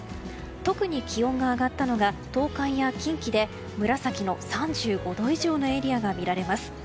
特に気温が上がったのが東海や近畿で紫の３５度以上のエリアが見られます。